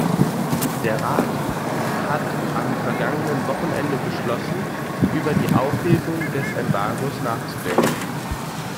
Der Rat hat am vergangenen Wochenende beschlossen, über die Aufhebung des Embargos nachzudenken.